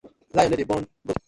Lion no dey born goat.